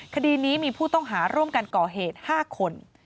คดีนี้มีผู้ต้องหาร่วมกันก่อเหตุ๕คน